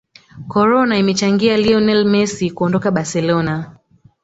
corona imechangia lionel messi kuondoka barcelona